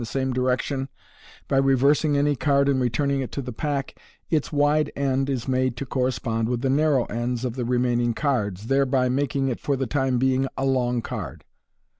the same direction\ by reversing any card and returning it to the pack, its wide end is made to correspond with the narrow ends of the re maining cards, thereby making it for the time being a " long " card.